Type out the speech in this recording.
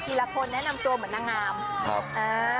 ละคนแนะนำตัวเหมือนนางงามครับเออ